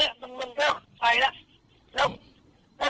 ก็คือต้องรักจ้างเทียงเท่านั้นแหละครับกษิภาค่ะ